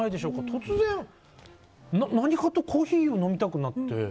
突然、何かとコーヒーを飲みたくなって。